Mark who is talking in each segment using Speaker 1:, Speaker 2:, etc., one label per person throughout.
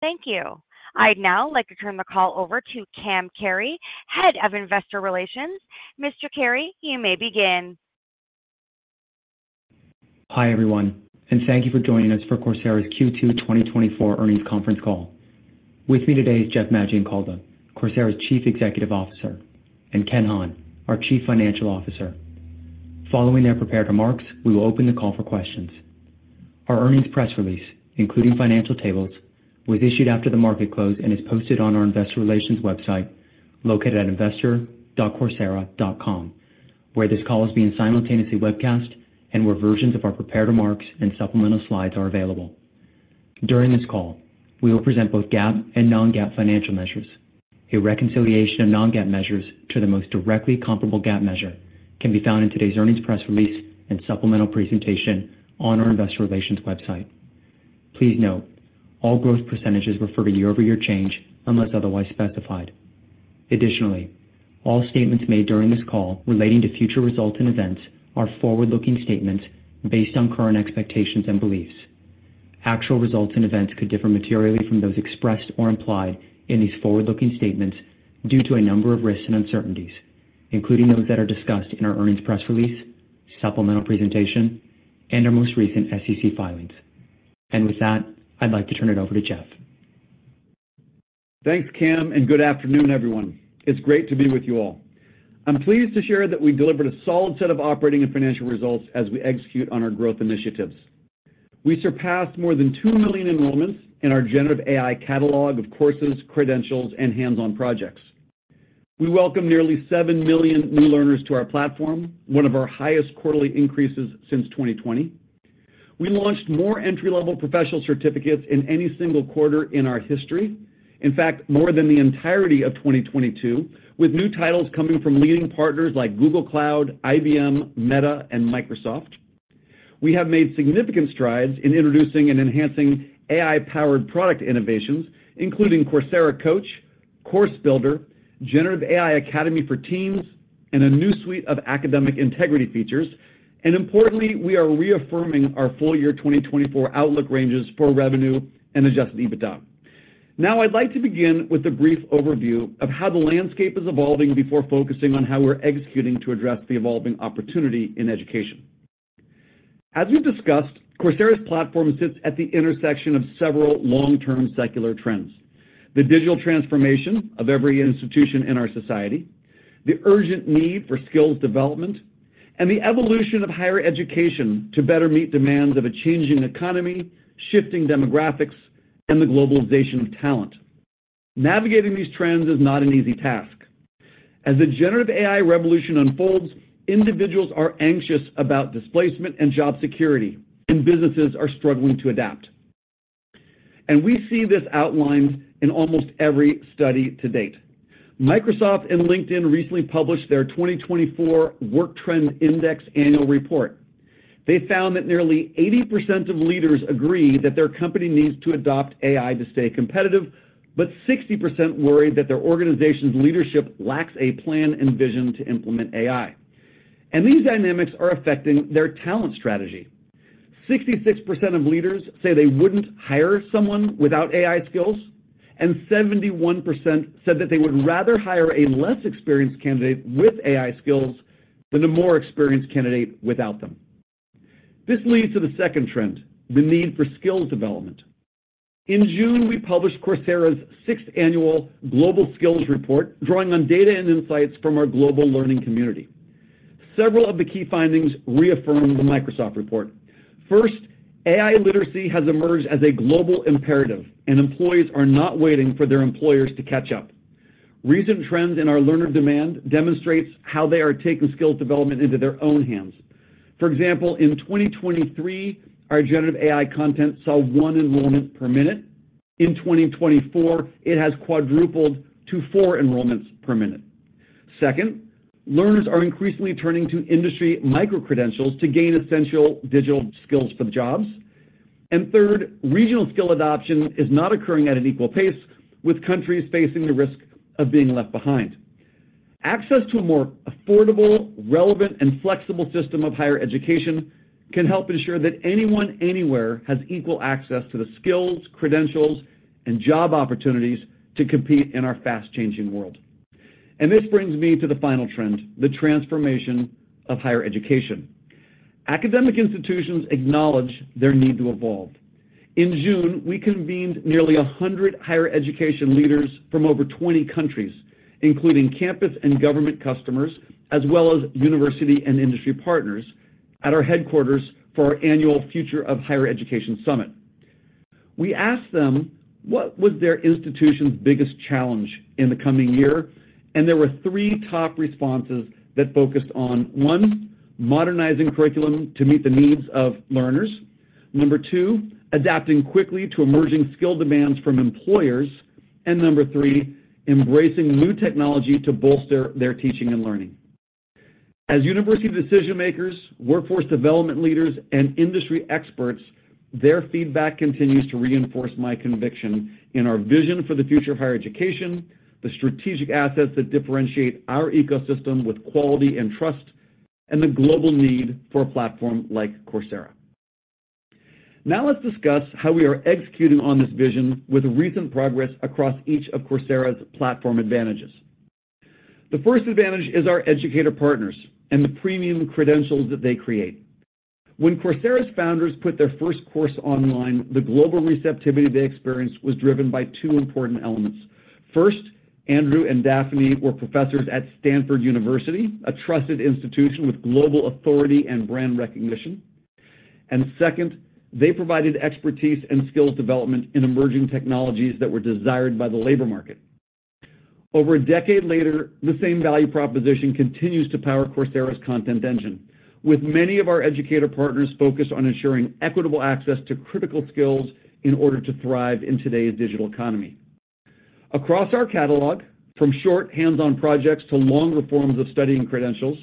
Speaker 1: Thank you. I'd now like to turn the call over to Cam Carey, Head of Investor Relations. Mr. Carey, you may begin.
Speaker 2: Hi everyone, and thank you for joining us for Coursera's Q2 2024 Earnings Conference Call. With me today is Jeff Maggioncalda, Coursera's Chief Executive Officer, and Ken Hahn, our Chief Financial Officer. Following their prepared remarks, we will open the call for questions. Our earnings press release, including financial tables, was issued after the market closed and is posted on our Investor Relations website located at investor.coursera.com, where this call is being simultaneously webcast and where versions of our prepared remarks and supplemental slides are available. During this call, we will present both GAAP and non-GAAP financial measures. A reconciliation of non-GAAP measures to the most directly comparable GAAP measure can be found in today's earnings press release and supplemental presentation on our Investor Relations website. Please note, all growth percentages refer to year-over-year change unless otherwise specified. Additionally, all statements made during this call relating to future results and events are forward-looking statements based on current expectations and beliefs. Actual results and events could differ materially from those expressed or implied in these forward-looking statements due to a number of risks and uncertainties, including those that are discussed in our earnings press release, supplemental presentation, and our most recent SEC filings. With that, I'd like to turn it over to Jeff.
Speaker 3: Thanks, Cam, and good afternoon, everyone. It's great to be with you all. I'm pleased to share that we delivered a solid set of operating and financial results as we execute on our growth initiatives. We surpassed more than 2 million enrollments in our generative AI catalog of courses, credentials, and hands-on projects. We welcomed nearly 7 million new learners to our platform, one of our highest quarterly increases since 2020. We launched more entry-level professional certificates in any single quarter in our history, in fact, more than the entirety of 2022, with new titles coming from leading partners like Google Cloud, IBM, Meta, and Microsoft. We have made significant strides in introducing and enhancing AI-powered product innovations, including Coursera Coach, Course Builder, Generative AI Academy for Teams, and a new suite of academic integrity features. Importantly, we are reaffirming our full year 2024 outlook ranges for revenue and Adjusted EBITDA. Now, I'd like to begin with a brief overview of how the landscape is evolving before focusing on how we're executing to address the evolving opportunity in education. As we've discussed, Coursera's platform sits at the intersection of several long-term secular trends: the digital transformation of every institution in our society, the urgent need for skills development, and the evolution of higher education to better meet demands of a changing economy, shifting demographics, and the globalization of talent. Navigating these trends is not an easy task. As the generative AI revolution unfolds, individuals are anxious about displacement and job security, and businesses are struggling to adapt. We see this outlined in almost every study to date. Microsoft and LinkedIn recently published their 2024 Work Trend Index annual report. They found that nearly 80% of leaders agree that their company needs to adopt AI to stay competitive, but 60% worry that their organization's leadership lacks a plan and vision to implement AI. These dynamics are affecting their talent strategy. 66% of leaders say they wouldn't hire someone without AI skills, and 71% said that they would rather hire a less experienced candidate with AI skills than a more experienced candidate without them. This leads to the second trend: the need for skills development. In June, we published Coursera's sixth annual Global Skills Report, drawing on data and insights from our global learning community. Several of the key findings reaffirm the Microsoft report. First, AI literacy has emerged as a global imperative, and employees are not waiting for their employers to catch up. Recent trends in our learner demand demonstrate how they are taking skills development into their own hands. For example, in 2023, our generative AI content saw one enrollment per minute. In 2024, it has quadrupled to four enrollments per minute. Second, learners are increasingly turning to industry micro-credentials to gain essential digital skills for the jobs. And third, regional skill adoption is not occurring at an equal pace, with countries facing the risk of being left behind. Access to a more affordable, relevant, and flexible system of higher education can help ensure that anyone, anywhere, has equal access to the skills, credentials, and job opportunities to compete in our fast-changing world. And this brings me to the final trend: the transformation of higher education. Academic institutions acknowledge their need to evolve. In June, we convened nearly 100 higher education leaders from over 20 countries, including campus and government customers, as well as university and industry partners, at our headquarters for our annual Future of Higher Education Summit. We asked them what was their institution's biggest challenge in the coming year, and there were three top responses that focused on: one, modernizing curriculum to meet the needs of learners; two, adapting quickly to emerging skill demands from employers; and three, embracing new technology to bolster their teaching and learning. As university decision-makers, workforce development leaders, and industry experts, their feedback continues to reinforce my conviction in our vision for the future of higher education, the strategic assets that differentiate our ecosystem with quality and trust, and the global need for a platform like Coursera. Now, let's discuss how we are executing on this vision with recent progress across each of Coursera's platform advantages. The first advantage is our educator partners and the premium credentials that they create. When Coursera's founders put their first course online, the global receptivity they experienced was driven by two important elements. First, Andrew and Daphne were professors at Stanford University, a trusted institution with global authority and brand recognition. And second, they provided expertise and skills development in emerging technologies that were desired by the labor market. Over a decade later, the same value proposition continues to power Coursera's content engine, with many of our educator partners focused on ensuring equitable access to critical skills in order to thrive in today's digital economy. Across our catalog, from short hands-on projects to longer forms of study and credentials,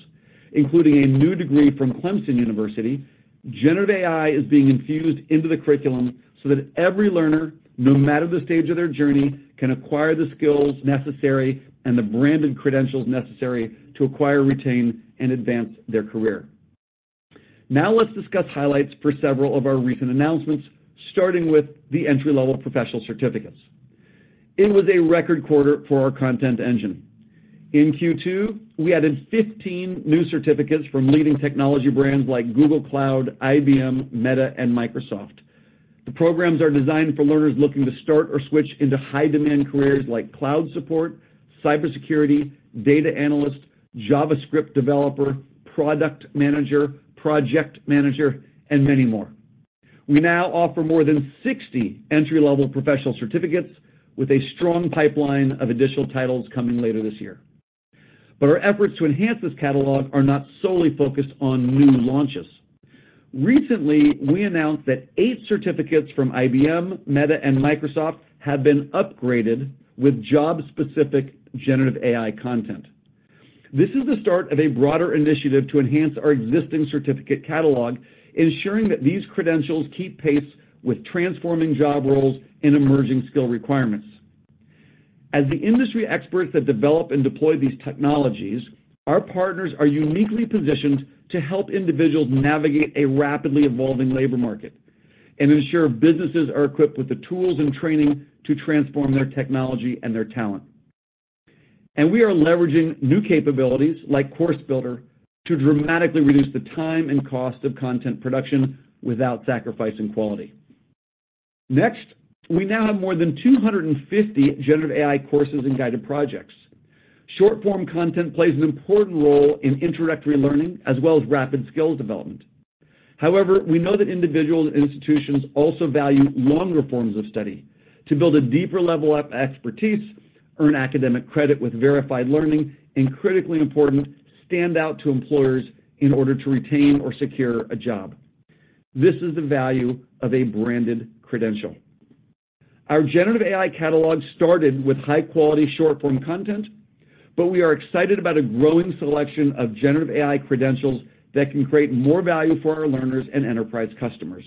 Speaker 3: including a new degree from Clemson University, generative AI is being infused into the curriculum so that every learner, no matter the stage of their journey, can acquire the skills necessary and the branded credentials necessary to acquire, retain, and advance their career. Now, let's discuss highlights for several of our recent announcements, starting with the entry-level professional certificates. It was a record quarter for our content engine. In Q2, we added 15 new certificates from leading technology brands like Google Cloud, IBM, Meta, and Microsoft. The programs are designed for learners looking to start or switch into high-demand careers like cloud support, cybersecurity, data analyst, JavaScript developer, product manager, project manager, and many more. We now offer more than 60 entry-level professional certificates, with a strong pipeline of additional titles coming later this year. But our efforts to enhance this catalog are not solely focused on new launches. Recently, we announced that 8 certificates from IBM, Meta, and Microsoft have been upgraded with job-specific generative AI content. This is the start of a broader initiative to enhance our existing certificate catalog, ensuring that these credentials keep pace with transforming job roles and emerging skill requirements. As the industry experts that develop and deploy these technologies, our partners are uniquely positioned to help individuals navigate a rapidly evolving labor market and ensure businesses are equipped with the tools and training to transform their technology and their talent. And we are leveraging new capabilities like Course Builder to dramatically reduce the time and cost of content production without sacrificing quality. Next, we now have more than 250 generative AI courses and guided projects. Short-form content plays an important role in introductory learning as well as rapid skills development. However, we know that individuals and institutions also value longer forms of study to build a deeper level of expertise, earn academic credit with verified learning, and, critically important, stand out to employers in order to retain or secure a job. This is the value of a branded credential. Our generative AI catalog started with high-quality short-form content, but we are excited about a growing selection of generative AI credentials that can create more value for our learners and enterprise customers.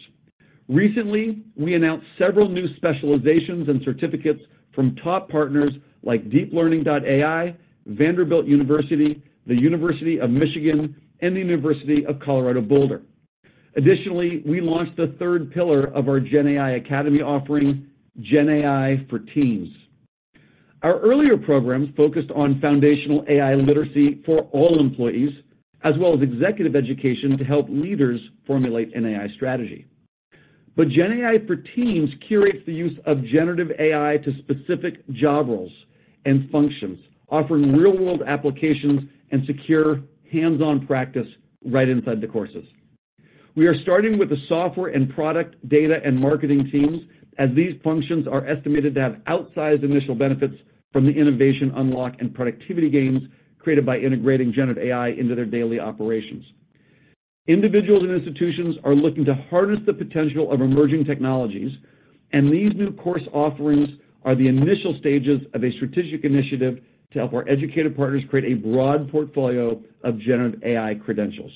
Speaker 3: Recently, we announced several new specializations and certificates from top partners like DeepLearning.AI, Vanderbilt University, the University of Michigan, and the University of Colorado Boulder. Additionally, we launched the third pillar of our GenAI Academy offering, GenAI for Teams. Our earlier programs focused on foundational AI literacy for all employees, as well as executive education to help leaders formulate an AI strategy. But GenAI for Teams curates the use of generative AI to specific job roles and functions, offering real-world applications and secure hands-on practice right inside the courses. We are starting with the software and product data and marketing teams, as these functions are estimated to have outsized initial benefits from the innovation unlock and productivity gains created by integrating generative AI into their daily operations. Individuals and institutions are looking to harness the potential of emerging technologies, and these new course offerings are the initial stages of a strategic initiative to help our educator partners create a broad portfolio of generative AI credentials.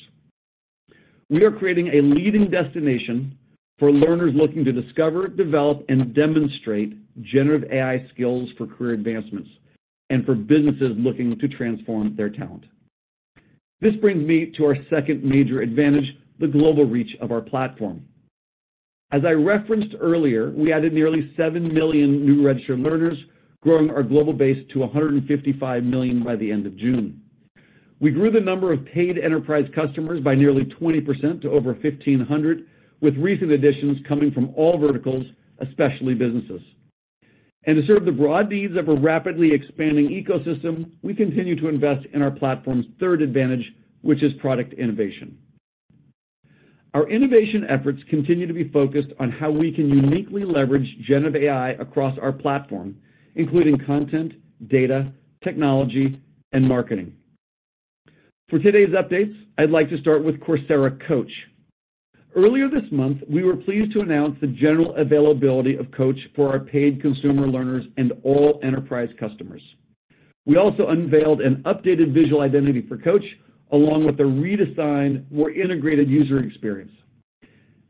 Speaker 3: We are creating a leading destination for learners looking to discover, develop, and demonstrate generative AI skills for career advancements and for businesses looking to transform their talent. This brings me to our second major advantage: the global reach of our platform. As I referenced earlier, we added nearly 7 million new registered learners, growing our global base to 155 million by the end of June. We grew the number of paid enterprise customers by nearly 20% to over 1,500, with recent additions coming from all verticals, especially businesses. To serve the broad needs of a rapidly expanding ecosystem, we continue to invest in our platform's third advantage, which is product innovation. Our innovation efforts continue to be focused on how we can uniquely leverage generative AI across our platform, including content, data, technology, and marketing. For today's updates, I'd like to start with Coursera Coach. Earlier this month, we were pleased to announce the general availability of Coach for our paid consumer learners and all enterprise customers. We also unveiled an updated visual identity for Coach, along with a redesigned, more integrated user experience.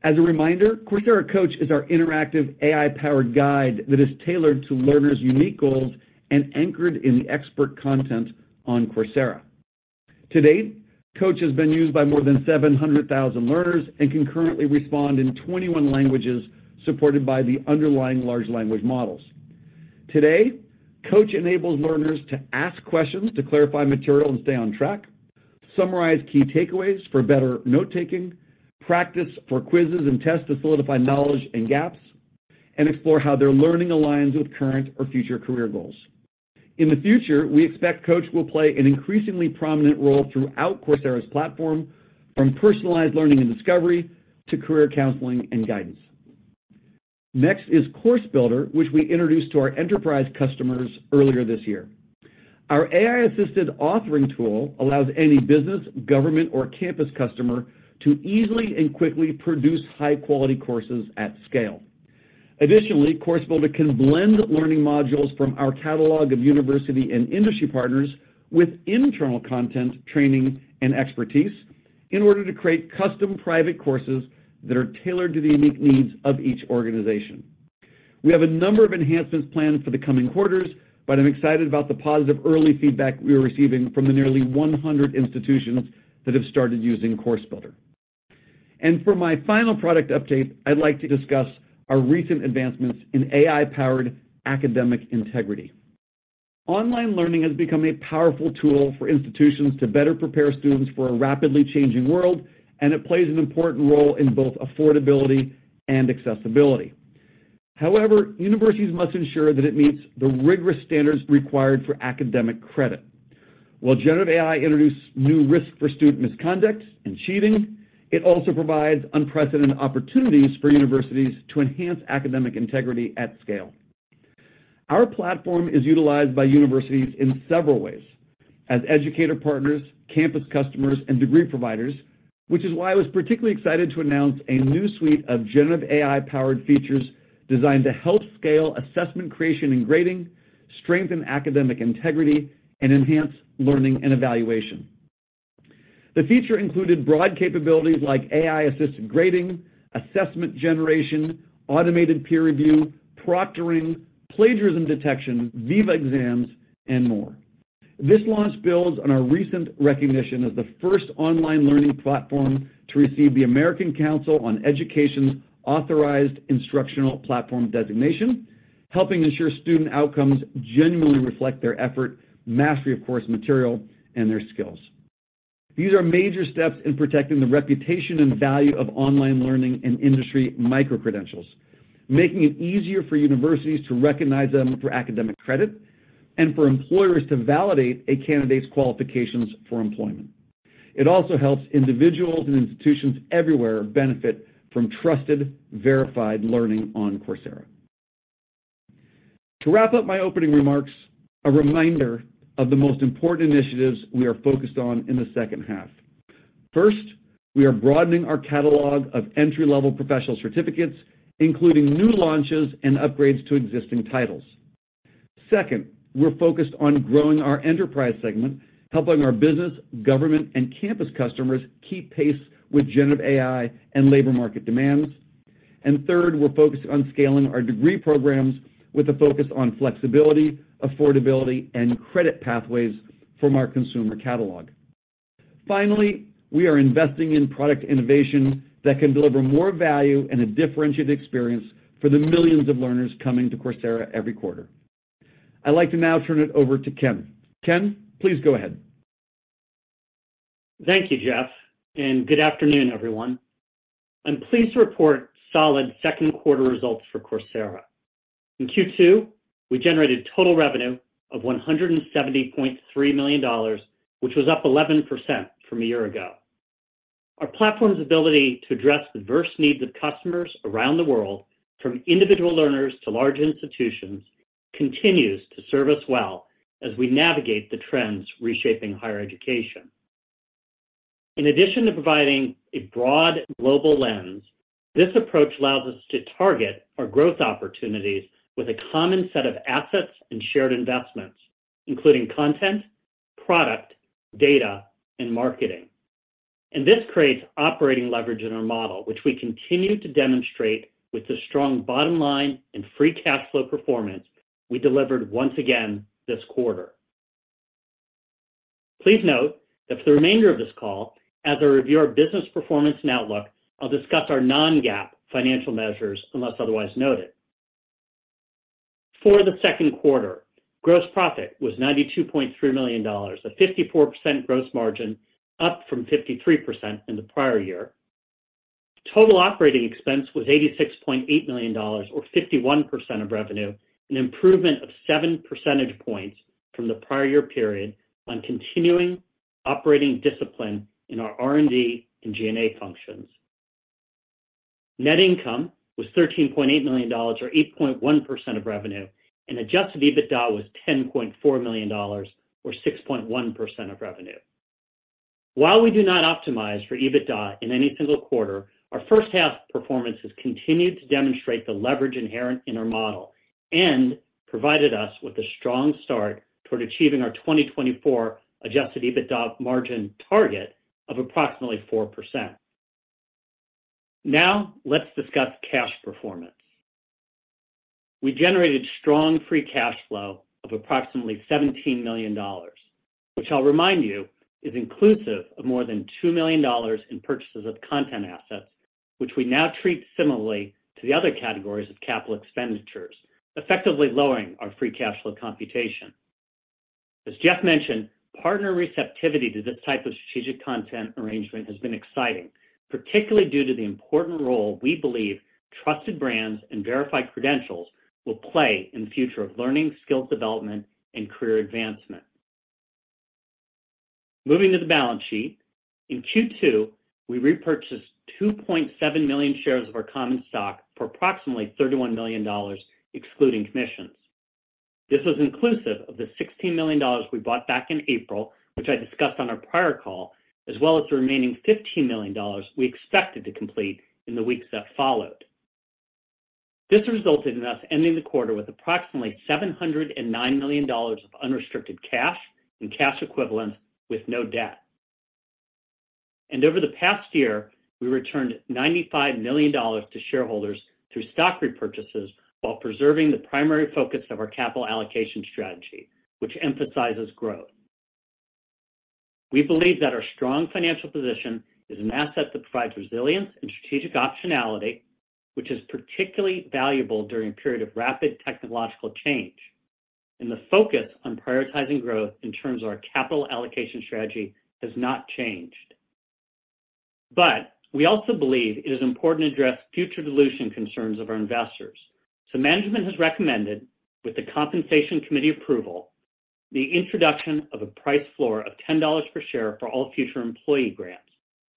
Speaker 3: As a reminder, Coursera Coach is our interactive AI-powered guide that is tailored to learners' unique goals and anchored in the expert content on Coursera. To date, Coach has been used by more than 700,000 learners and can currently respond in 21 languages supported by the underlying large language models. Today, Coach enables learners to ask questions to clarify material and stay on track, summarize key takeaways for better note-taking, practice for quizzes and tests to solidify knowledge and gaps, and explore how their learning aligns with current or future career goals. In the future, we expect Coach will play an increasingly prominent role throughout Coursera's platform, from personalized learning and discovery to career counseling and guidance. Next is Course Builder, which we introduced to our enterprise customers earlier this year. Our AI-assisted authoring tool allows any business, government, or campus customer to easily and quickly produce high-quality courses at scale. Additionally, Course Builder can blend learning modules from our catalog of university and industry partners with internal content, training, and expertise in order to create custom private courses that are tailored to the unique needs of each organization. We have a number of enhancements planned for the coming quarters, but I'm excited about the positive early feedback we are receiving from the nearly 100 institutions that have started using Course Builder. For my final product update, I'd like to discuss our recent advancements in AI-powered academic integrity. Online learning has become a powerful tool for institutions to better prepare students for a rapidly changing world, and it plays an important role in both affordability and accessibility. However, universities must ensure that it meets the rigorous standards required for academic credit. While Generative AI introduced new risks for student misconduct and cheating, it also provides unprecedented opportunities for universities to enhance academic integrity at scale. Our platform is utilized by universities in several ways: as educator partners, campus customers, and degree providers, which is why I was particularly excited to announce a new suite of Generative AI-powered features designed to help scale assessment creation and grading, strengthen academic integrity, and enhance learning and evaluation. The feature included broad capabilities like AI-assisted grading, assessment generation, automated peer review, proctoring, plagiarism detection, viva exams, and more. This launch builds on our recent recognition as the first online learning platform to receive the American Council on Education's Authorized Instructional Platform designation, helping ensure student outcomes genuinely reflect their effort, mastery of course material, and their skills. These are major steps in protecting the reputation and value of online learning and industry micro-credentials, making it easier for universities to recognize them for academic credit and for employers to validate a candidate's qualifications for employment. It also helps individuals and institutions everywhere benefit from trusted, verified learning on Coursera. To wrap up my opening remarks, a reminder of the most important initiatives we are focused on in the second half. First, we are broadening our catalog of entry-level professional certificates, including new launches and upgrades to existing titles. Second, we're focused on growing our enterprise segment, helping our business, government, and campus customers keep pace with generative AI and labor market demands. And third, we're focused on scaling our degree programs with a focus on flexibility, affordability, and credit pathways from our consumer catalog. Finally, we are investing in product innovation that can deliver more value and a differentiated experience for the millions of learners coming to Coursera every quarter. I'd like to now turn it over to Ken. Ken, please go ahead.
Speaker 4: Thank you, Jeff, and good afternoon, everyone. I'm pleased to report solid second-quarter results for Coursera. In Q2, we generated total revenue of $170.3 million, which was up 11% from a year ago. Our platform's ability to address the diverse needs of customers around the world, from individual learners to large institutions, continues to serve us well as we navigate the trends reshaping higher education. In addition to providing a broad global lens, this approach allows us to target our growth opportunities with a common set of assets and shared investments, including content, product, data, and marketing. This creates operating leverage in our model, which we continue to demonstrate with the strong bottom line and Free Cash Flow performance we delivered once again this quarter. Please note that for the remainder of this call, as I review our business performance and outlook, I'll discuss our non-GAAP financial measures unless otherwise noted. For the second quarter, gross profit was $92.3 million, a 54% gross margin, up from 53% in the prior year. Total operating expense was $86.8 million, or 51% of revenue, an improvement of 7 percentage points from the prior year period on continuing operating discipline in our R&D and G&A functions. Net income was $13.8 million, or 8.1% of revenue, and Adjusted EBITDA was $10.4 million, or 6.1% of revenue. While we do not optimize for EBITDA in any single quarter, our first-half performance has continued to demonstrate the leverage inherent in our model and provided us with a strong start toward achieving our 2024 Adjusted EBITDA margin target of approximately 4%. Now, let's discuss cash performance. We generated strong free cash flow of approximately $17 million, which I'll remind you is inclusive of more than $2 million in purchases of content assets, which we now treat similarly to the other categories of capital expenditures, effectively lowering our free cash flow computation. As Jeff mentioned, partner receptivity to this type of strategic content arrangement has been exciting, particularly due to the important role we believe trusted brands and verified credentials will play in the future of learning, skills development, and career advancement. Moving to the balance sheet, in Q2, we repurchased 2.7 million shares of our common stock for approximately $31 million, excluding commissions. This was inclusive of the $16 million we bought back in April, which I discussed on our prior call, as well as the remaining $15 million we expected to complete in the weeks that followed. This resulted in us ending the quarter with approximately $709 million of unrestricted cash and cash equivalents with no debt. Over the past year, we returned $95 million to shareholders through stock repurchases while preserving the primary focus of our capital allocation strategy, which emphasizes growth. We believe that our strong financial position is an asset that provides resilience and strategic optionality, which is particularly valuable during a period of rapid technological change. The focus on prioritizing growth in terms of our capital allocation strategy has not changed. We also believe it is important to address future dilution concerns of our investors. Management has recommended, with the Compensation Committee approval, the introduction of a price floor of $10 per share for all future employee grants,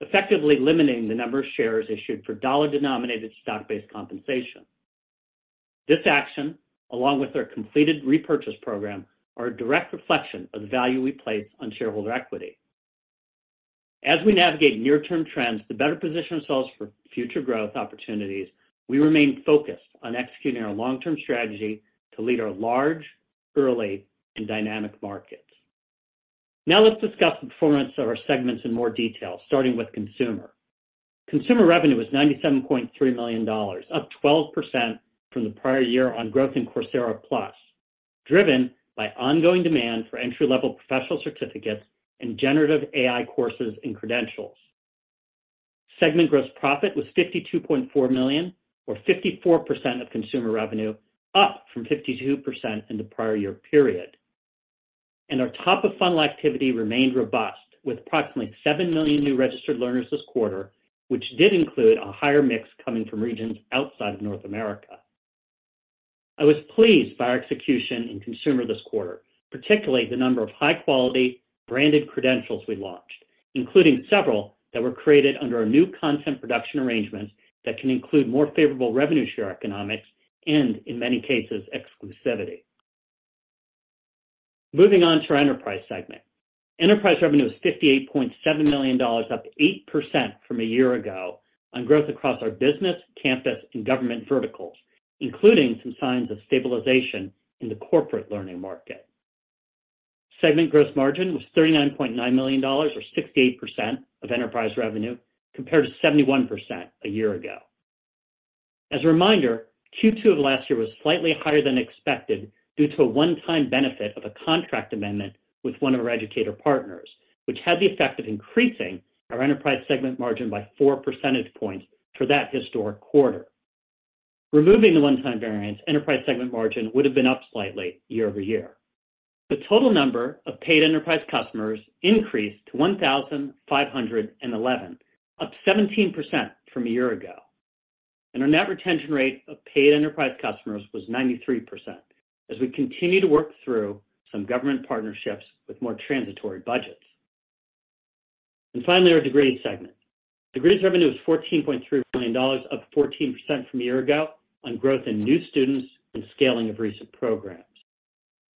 Speaker 4: effectively limiting the number of shares issued for dollar-denominated stock-based compensation. This action, along with our completed repurchase program, is a direct reflection of the value we place on shareholder equity. As we navigate near-term trends to better position ourselves for future growth opportunities, we remain focused on executing our long-term strategy to lead our large, early, and dynamic markets. Now, let's discuss the performance of our segments in more detail, starting with consumer. Consumer revenue was $97.3 million, up 12% from the prior year on growth in Coursera Plus, driven by ongoing demand for entry-level professional certificates and generative AI courses and credentials. Segment gross profit was $52.4 million, or 54% of consumer revenue, up from 52% in the prior year period. Our top-of-funnel activity remained robust, with approximately 7 million new registered learners this quarter, which did include a higher mix coming from regions outside of North America. I was pleased by our execution in consumer this quarter, particularly the number of high-quality branded credentials we launched, including several that were created under our new content production arrangements that can include more favorable revenue share economics and, in many cases, exclusivity. Moving on to our enterprise segment, enterprise revenue was $58.7 million, up 8% from a year ago on growth across our business, campus, and government verticals, including some signs of stabilization in the corporate learning market. Segment gross margin was $39.9 million, or 68% of enterprise revenue, compared to 71% a year ago. As a reminder, Q2 of last year was slightly higher than expected due to a one-time benefit of a contract amendment with one of our educator partners, which had the effect of increasing our enterprise segment margin by 4 percentage points for that historic quarter. Removing the one-time variance, enterprise segment margin would have been up slightly year-over-year. The total number of paid enterprise customers increased to 1,511, up 17% from a year ago. Our net retention rate of paid enterprise customers was 93% as we continue to work through some government partnerships with more transitory budgets. Finally, our degrees segment. Degrees revenue was $14.3 million, up 14% from a year ago on growth in new students and scaling of recent programs.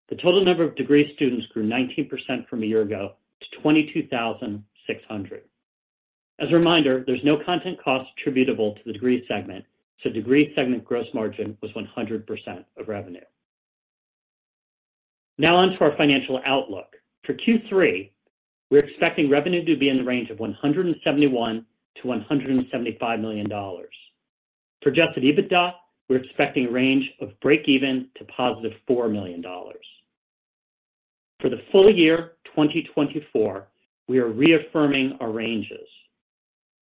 Speaker 4: The total number of degree students grew 19% from a year ago to 22,600. As a reminder, there's no content cost attributable to the degree segment, so degree segment gross margin was 100% of revenue. Now, on to our financial outlook. For Q3, we're expecting revenue to be in the range of $171 million to $175 million. For Adjusted EBITDA, we're expecting a range of break-even to $4 million. For the full year 2024, we are reaffirming our ranges.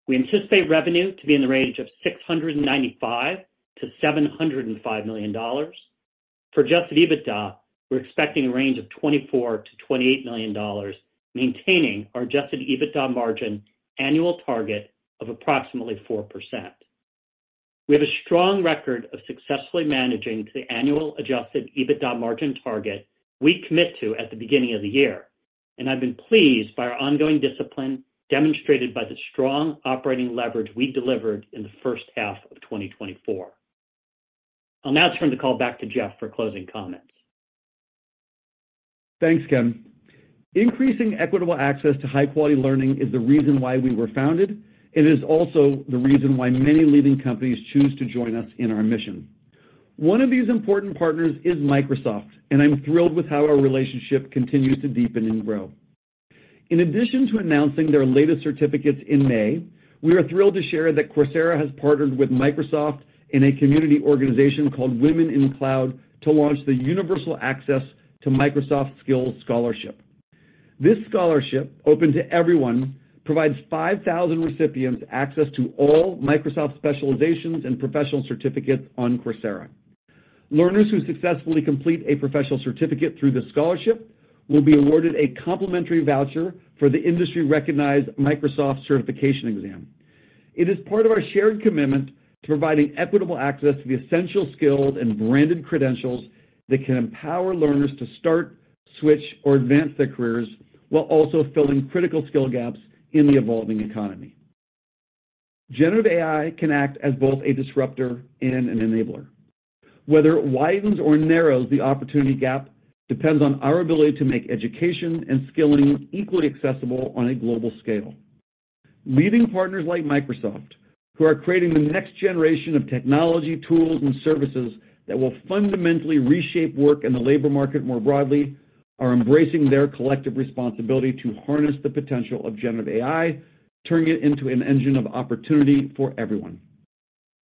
Speaker 4: We anticipate revenue to be in the range of $695 million to $705 million. For adjusted EBITDA, we're expecting a range of $24 million to $28 million, maintaining our adjusted EBITDA margin annual target of approximately 4%. We have a strong record of successfully managing the annual adjusted EBITDA margin target we commit to at the beginning of the year. And I've been pleased by our ongoing discipline demonstrated by the strong operating leverage we delivered in the first half of 2024. I'll now turn the call back to Jeff for closing comments.
Speaker 3: Thanks, Ken. Increasing equitable access to high-quality learning is the reason why we were founded, and it is also the reason why many leading companies choose to join us in our mission. One of these important partners is Microsoft, and I'm thrilled with how our relationship continues to deepen and grow. In addition to announcing their latest certificates in May, we are thrilled to share that Coursera has partnered with Microsoft and a community organization called Women in Cloud to launch the Universal Access to Microsoft Skills Scholarship. This scholarship, open to everyone, provides 5,000 recipients access to all Microsoft specializations and professional certificates on Coursera. Learners who successfully complete a professional certificate through the scholarship will be awarded a complimentary voucher for the industry-recognized Microsoft certification exam. It is part of our shared commitment to providing equitable access to the essential skills and branded credentials that can empower learners to start, switch, or advance their careers while also filling critical skill gaps in the evolving economy. Generative AI can act as both a disruptor and an enabler. Whether it widens or narrows the opportunity gap depends on our ability to make education and skilling equally accessible on a global scale. Leading partners like Microsoft, who are creating the next generation of technology, tools, and services that will fundamentally reshape work in the labor market more broadly, are embracing their collective responsibility to harness the potential of generative AI, turning it into an engine of opportunity for everyone.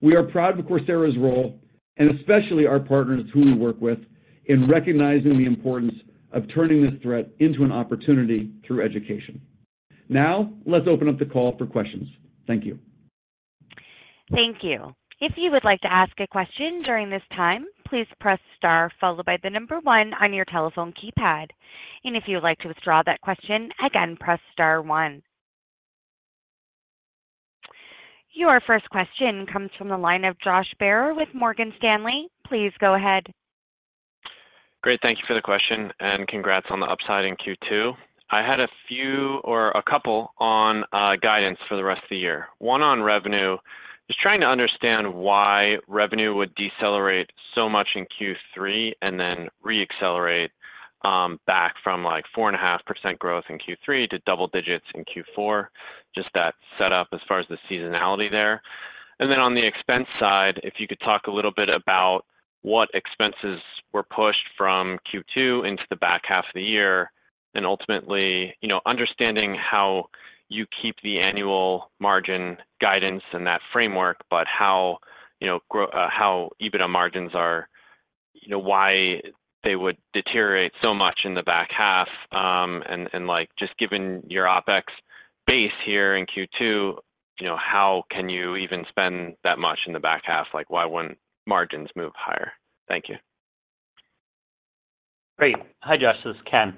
Speaker 3: We are proud of Coursera's role, and especially our partners whom we work with, in recognizing the importance of turning this threat into an opportunity through education. Now, let's open up the call for questions. Thank you.
Speaker 1: Thank you. If you would like to ask a question during this time, please press star followed by the number one on your telephone keypad. If you would like to withdraw that question, please press star one. Your first question comes from the line of Josh Baer with Morgan Stanley. Please go ahead.
Speaker 5: Great. Thank you for the question, and congrats on the upside in Q2. I had a few or a couple on guidance for the rest of the year. One on revenue. Just trying to understand why revenue would decelerate so much in Q3 and then re-accelerate back from like 4.5% growth in Q3 to double digits in Q4. Just that setup as far as the seasonality there. And then on the expense side, if you could talk a little bit about what expenses were pushed from Q2 into the back half of the year, and ultimately, you know, understanding how you keep the annual margin guidance and that framework, but how EBITDA margins are, you know, why they would deteriorate so much in the back half. And just given your OpEx base here in Q2, how can you even spend that much in the back half? Like, why wouldn't margins move higher? Thank you.
Speaker 4: Great. Hi, Josh. This is Ken.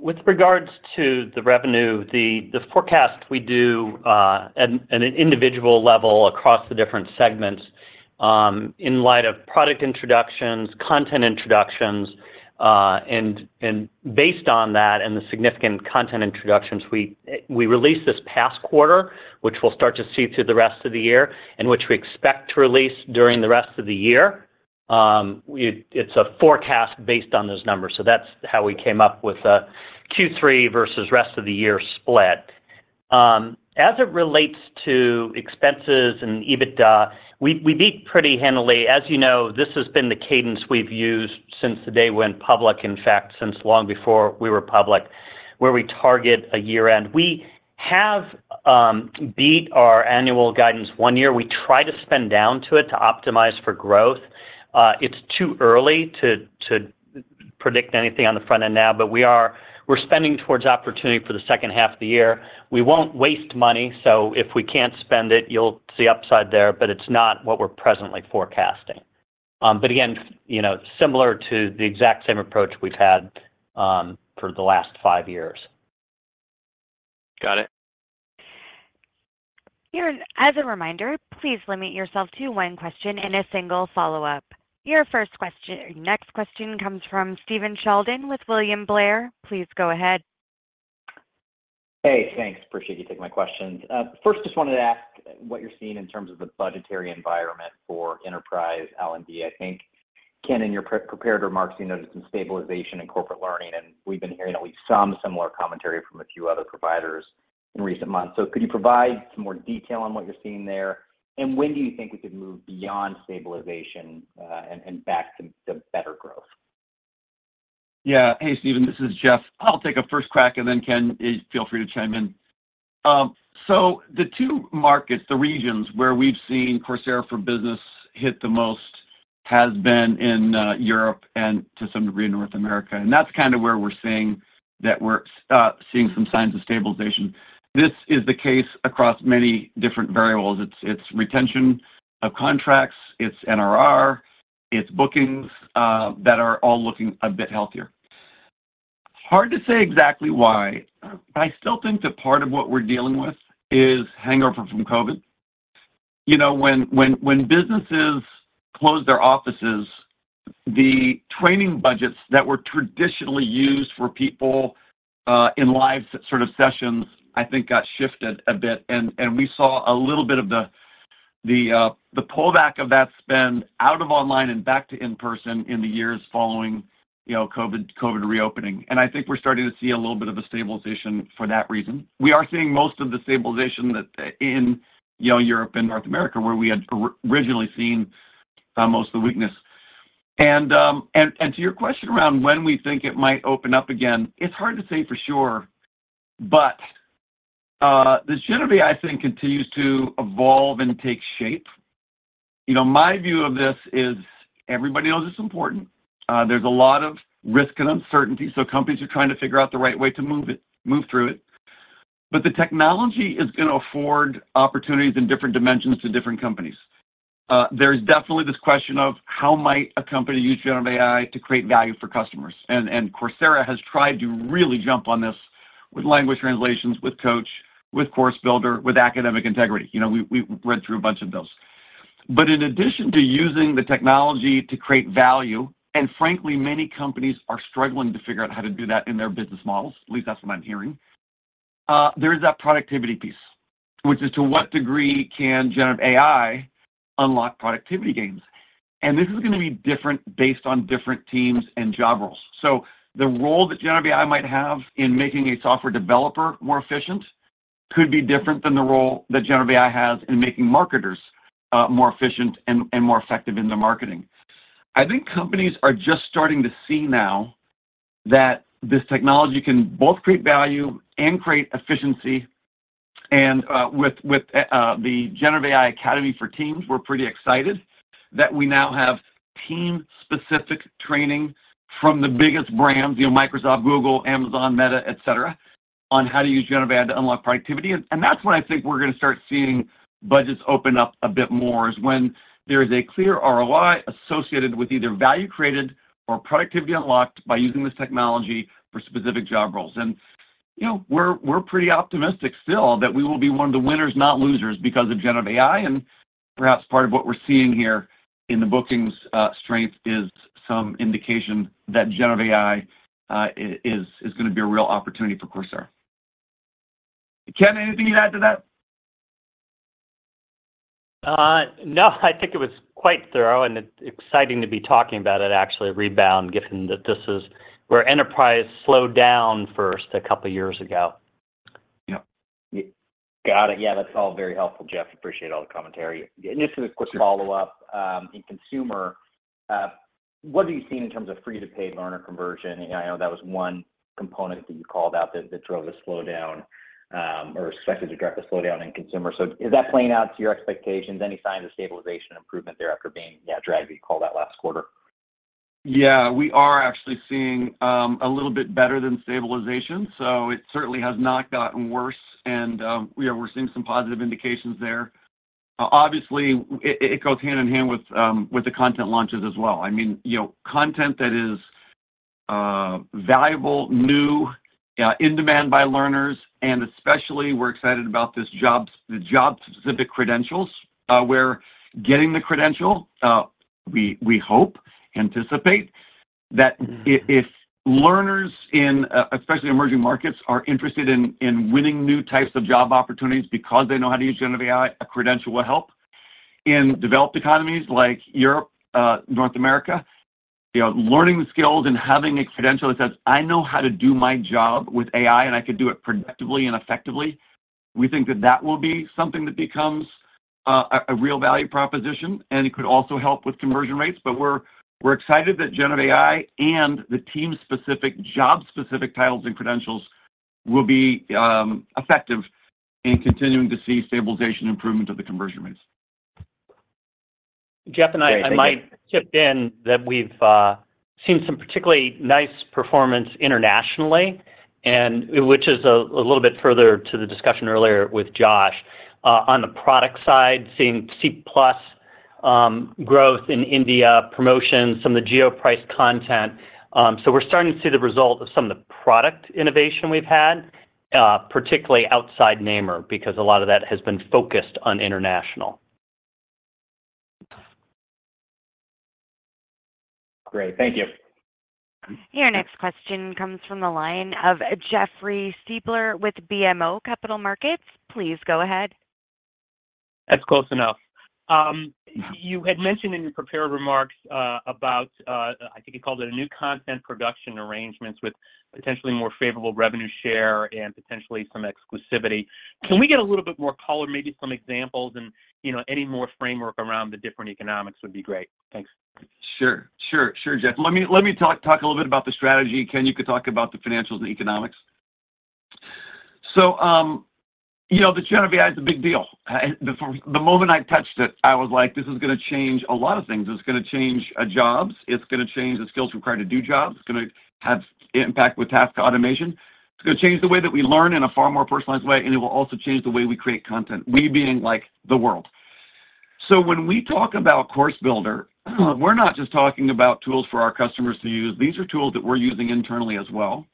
Speaker 4: With regards to the revenue, the forecast we do at an individual level across the different segments, in light of product introductions, content introductions, and based on that and the significant content introductions, we released this past quarter, which we'll start to see through the rest of the year, and which we expect to release during the rest of the year. It's a forecast based on those numbers. So that's how we came up with a Q3 versus rest of the year split. As it relates to expenses and EBITDA, we beat pretty handily. As you know, this has been the cadence we've used since the day we went public, in fact, since long before we were public, where we target a year-end. We have beat our annual guidance one year. We try to spend down to it to optimize for growth. It's too early to predict anything on the front end now, but we are spending towards opportunity for the second half of the year. We won't waste money, so if we can't spend it, you'll see upside there, but it's not what we're presently forecasting. But again, similar to the exact same approach we've had for the last five years.
Speaker 5: Got it.
Speaker 1: As a reminder, please limit yourself to one question and a single follow-up. Your first question, next question comes from Stephen Sheldon with William Blair. Please go ahead.
Speaker 6: Hey, thanks. Appreciate you taking my questions. First, just wanted to ask what you're seeing in terms of the budgetary environment for enterprise L&D. I think, Ken, in your prepared remarks, you noted some stabilization in corporate learning, and we've been hearing at least some similar commentary from a few other providers in recent months. So could you provide some more detail on what you're seeing there, and when do you think we could move beyond stabilization and back to better growth?
Speaker 3: Yeah. Hey, Stephen, this is Jeff. I'll take a first crack, and then, Ken, feel free to chime in. So the two markets, the regions where we've seen Coursera for Business hit the most has been in Europe and to some degree in North America. And that's kind of where we're seeing that we're seeing some signs of stabilization. This is the case across many different variables. It's retention of contracts, it's NRR, it's bookings that are all looking a bit healthier. Hard to say exactly why, but I still think that part of what we're dealing with is hangover from COVID. You know, when businesses close their offices, the training budgets that were traditionally used for people in live sort of sessions, I think, got shifted a bit. We saw a little bit of the pullback of that spend out of online and back to in-person in the years following COVID reopening. I think we're starting to see a little bit of a stabilization for that reason. We are seeing most of the stabilization in Europe and North America, where we had originally seen most of the weakness. To your question around when we think it might open up again, it's hard to say for sure, but the GenAI, I think, continues to evolve and take shape. My view of this is everybody knows it's important. There's a lot of risk and uncertainty, so companies are trying to figure out the right way to move through it. But the technology is going to afford opportunities in different dimensions to different companies. There's definitely this question of how might a company use generative AI to create value for customers. And Coursera has tried to really jump on this with language translations, with Coach, with Course Builder, with Academic Integrity. We read through a bunch of those. But in addition to using the technology to create value, and frankly, many companies are struggling to figure out how to do that in their business models, at least that's what I'm hearing, there is that productivity piece, which is to what degree can generative AI unlock productivity gains. And this is going to be different based on different teams and job roles. So the role that generative AI might have in making a software developer more efficient could be different than the role that generative AI has in making marketers more efficient and more effective in their marketing. I think companies are just starting to see now that this technology can both create value and create efficiency. And with the Generative AI Academy for Teams, we're pretty excited that we now have team-specific training from the biggest brands, Microsoft, Google, Amazon, Meta, etc., on how to use generative AI to unlock productivity. And that's when I think we're going to start seeing budgets open up a bit more is when there is a clear ROI associated with either value created or productivity unlocked by using this technology for specific job roles. And we're pretty optimistic still that we will be one of the winners, not losers, because of generative AI. And perhaps part of what we're seeing here in the bookings strength is some indication that generative AI is going to be a real opportunity for Coursera. Ken, anything you'd add to that?
Speaker 4: No, I think it was quite thorough, and it's exciting to be talking about it, actually rebound, given that this is where enterprise slowed down first a couple of years ago.
Speaker 6: Yep. Got it. Yeah, that's all very helpful, Jeff. Appreciate all the commentary. And just as a quick follow-up, in consumer, what have you seen in terms of free-to-pay learner conversion? I know that was one component that you called out that drove a slowdown or expected to drive a slowdown in consumer. So is that playing out to your expectations? Any signs of stabilization improvement there after being, yeah, dragged you called out last quarter?
Speaker 3: Yeah, we are actually seeing a little bit better than stabilization. So it certainly has not gotten worse. And we're seeing some positive indications there. Obviously, it goes hand in hand with the content launches as well. I mean, content that is valuable, new, in demand by learners, and especially we're excited about the job-specific credentials where getting the credential, we hope, anticipate that if learners, especially emerging markets, are interested in winning new types of job opportunities because they know how to use generative AI, a credential will help. In developed economies like Europe, North America, learning the skills and having a credential that says, "I know how to do my job with AI, and I could do it productively and effectively," we think that that will be something that becomes a real value proposition, and it could also help with conversion rates. But we're excited that Generative AI and the team-specific, job-specific titles and credentials will be effective in continuing to see stabilization improvement of the conversion rates.
Speaker 4: Jeff, and I might chip in that we've seen some particularly nice performance internationally, which is a little bit further to the discussion earlier with Josh. On the product side, seeing C+ growth in India, promotion, some of the geo-priced content. So we're starting to see the result of some of the product innovation we've had, particularly outside NAMR, because a lot of that has been focused on international.
Speaker 6: Great. Thank you.
Speaker 1: Your next question comes from the line of Jeffrey Silber with BMO Capital Markets. Please go ahead.
Speaker 7: That's close enough. You had mentioned in your prepared remarks about, I think you called it a new content production arrangements with potentially more favorable revenue share and potentially some exclusivity. Can we get a little bit more color, maybe some examples and any more framework around the different economics would be great? Thanks.
Speaker 3: Sure. Sure. Sure, Jeff. Let me talk a little bit about the strategy. Ken, you could talk about the financials and economics. So the Generative AI is a big deal. The moment I touched it, I was like, "This is going to change a lot of things. It's going to change jobs. It's going to change the skills required to do jobs. It's going to have impact with task automation. It's going to change the way that we learn in a far more personalized way, and it will also change the way we create content," we being like the world. So when we talk about Course Builder, we're not just talking about tools for our customers to use. These are tools that we're using internally as well.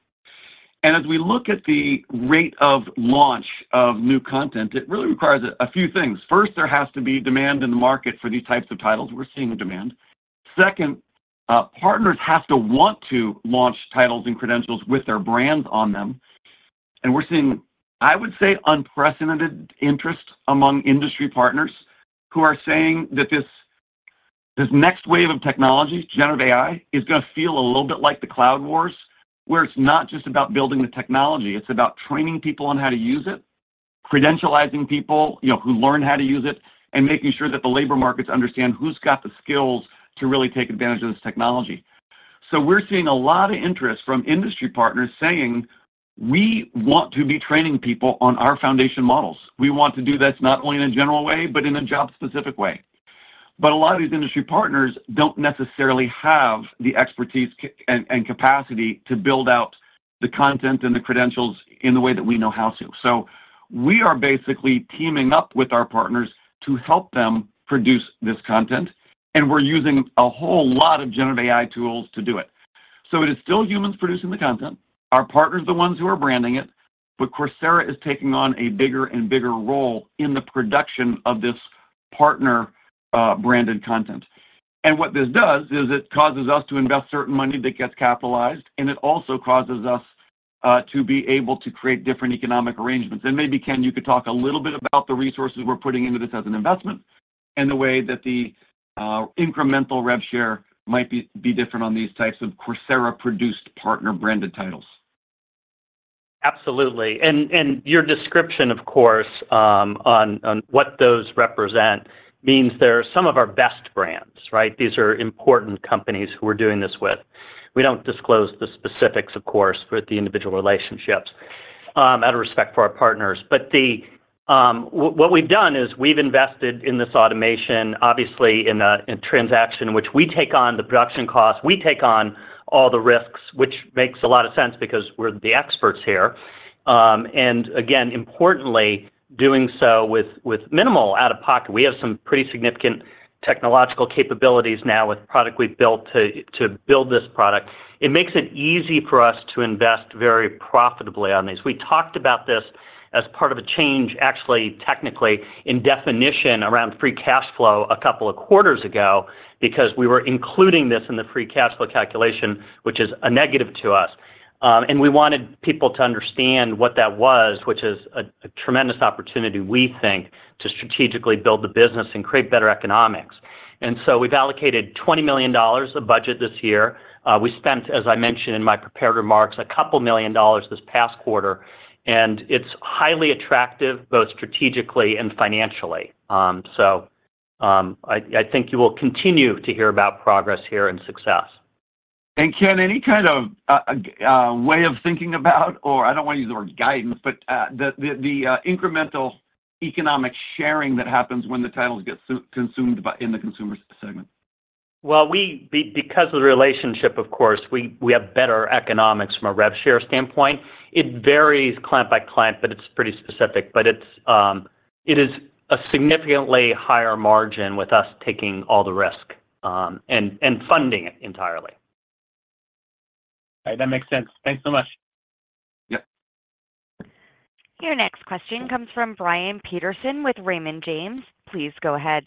Speaker 3: And as we look at the rate of launch of new content, it really requires a few things. First, there has to be demand in the market for these types of titles. We're seeing demand. Second, partners have to want to launch titles and credentials with their brands on them. And we're seeing, I would say, unprecedented interest among industry partners who are saying that this next wave of technology, generative AI, is going to feel a little bit like the Cloud Wars, where it's not just about building the technology. It's about training people on how to use it, credentializing people who learn how to use it, and making sure that the labor markets understand who's got the skills to really take advantage of this technology. So we're seeing a lot of interest from industry partners saying, "We want to be training people on our foundation models. We want to do this not only in a general way, but in a job-specific way." A lot of these industry partners don't necessarily have the expertise and capacity to build out the content and the credentials in the way that we know how to. We are basically teaming up with our partners to help them produce this content, and we're using a whole lot of generative AI tools to do it. It is still humans producing the content. Our partners are the ones who are branding it, but Coursera is taking on a bigger and bigger role in the production of this partner-branded content. What this does is it causes us to invest certain money that gets capitalized, and it also causes us to be able to create different economic arrangements. Maybe, Ken, you could talk a little bit about the resources we're putting into this as an investment and the way that the incremental rev share might be different on these types of Coursera-produced partner-branded titles.
Speaker 4: Absolutely. Your description, of course, on what those represent means they're some of our best brands, right? These are important companies who we're doing this with. We don't disclose the specifics, of course, for the individual relationships out of respect for our partners. But what we've done is we've invested in this automation, obviously, in a transaction in which we take on the production cost. We take on all the risks, which makes a lot of sense because we're the experts here. And again, importantly, doing so with minimal out-of-pocket. We have some pretty significant technological capabilities now with product we've built to build this product. It makes it easy for us to invest very profitably on these. We talked about this as part of a change, actually, technically in definition around free cash flow a couple of quarters ago because we were including this in the free cash flow calculation, which is a negative to us. And we wanted people to understand what that was, which is a tremendous opportunity, we think, to strategically build the business and create better economics. And so we've allocated $20 million of budget this year. We spent, as I mentioned in my prepared remarks, a couple of million dollars this past quarter, and it's highly attractive both strategically and financially. So I think you will continue to hear about progress here and success.
Speaker 7: Ken, any kind of way of thinking about, or I don't want to use the word guidance, but the incremental economic sharing that happens when the titles get consumed in the consumer segment?
Speaker 4: Well, because of the relationship, of course, we have better economics from a rev share standpoint. It varies client by client, but it's pretty specific. But it is a significantly higher margin with us taking all the risk and funding it entirely.
Speaker 7: All right. That makes sense. Thanks so much.
Speaker 3: Yep.
Speaker 1: Your next question comes from Brian Peterson with Raymond James. Please go ahead.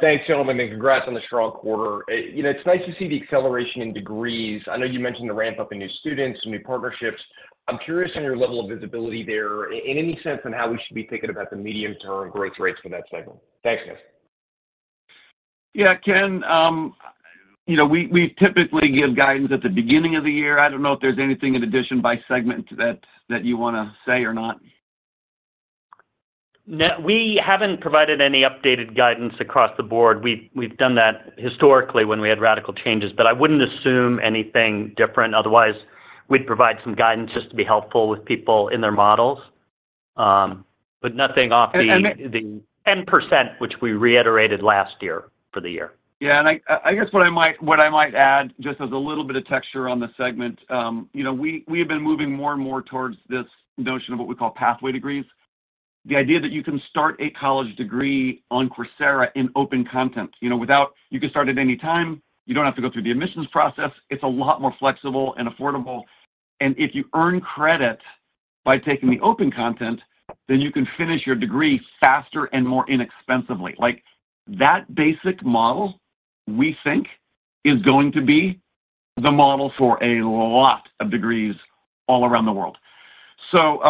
Speaker 8: Thanks, gentlemen, and congrats on the strong quarter. It's nice to see the acceleration in degrees. I know you mentioned the ramp-up in new students, new partnerships. I'm curious on your level of visibility there in any sense on how we should be thinking about the medium-term growth rates for that segment? Thanks, guys.
Speaker 3: Yeah, Ken, we typically give guidance at the beginning of the year. I don't know if there's anything in addition by segment that you want to say or not.
Speaker 4: We haven't provided any updated guidance across the board. We've done that historically when we had radical changes, but I wouldn't assume anything different. Otherwise, we'd provide some guidance just to be helpful with people in their models, but nothing off the 10%, which we reiterated last year for the year.
Speaker 3: Yeah. And I guess what I might add, just as a little bit of texture on the segment, we have been moving more and more towards this notion of what we call pathway degrees. The idea that you can start a college degree on Coursera in open content. You can start at any time. You don't have to go through the admissions process. It's a lot more flexible and affordable. And if you earn credit by taking the open content, then you can finish your degree faster and more inexpensively. That basic model, we think, is going to be the model for a lot of degrees all around the world. So